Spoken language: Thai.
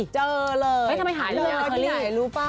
เจอเลยที่ไหนรู้ป่ะ